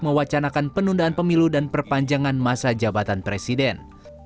mewacanakan penundaan pemilu dan perpanjangan masa jabatan presiden